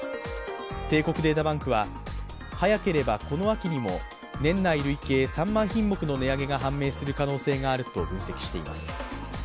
帝国データバンクは早ければこの秋にも年内累計３万品目の値上げが判明する可能性があると分析しています。